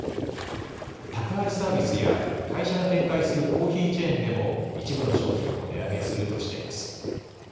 宅配サービスや会社が展開するコーヒーチェーンでも一部の商品を値上げするとしています。